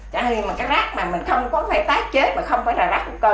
chẳng hề mà các rác mà mình không có phải tác chế mà không phải là rác hủng cơ